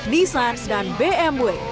nissan dan bmw